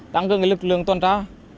tăng cương lực lượng toàn tra